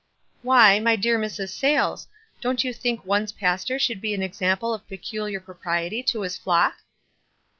"Why, my dear Mrs. Sayles, don't you think one's pastor should be an example of peculiar propriety to his flock?"